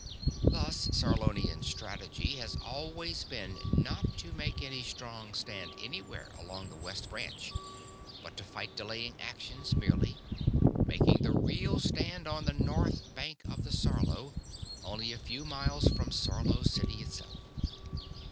Thus, Sarlonian strategy has always been not to make any strong stand anywhere along the West Branch, but to fight delaying actions merely making their real stand on the north bank of the Sarlo, only a few miles from Sarlo City itself.